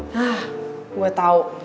nah gue tau